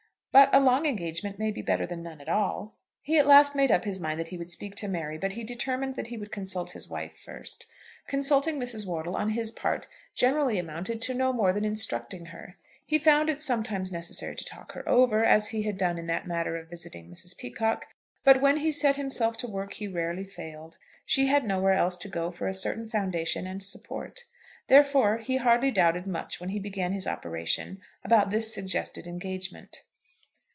But a long engagement may be better than none at all. He at last made up his mind that he would speak to Mary; but he determined that he would consult his wife first. Consulting Mrs. Wortle, on his part, generally amounted to no more than instructing her. He found it sometimes necessary to talk her over, as he had done in that matter of visiting Mrs. Peacocke; but when he set himself to work he rarely failed. She had nowhere else to go for a certain foundation and support. Therefore he hardly doubted much when he began his operation about this suggested engagement.